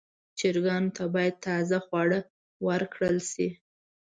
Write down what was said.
چرګانو ته باید تازه خواړه ورکړل شي.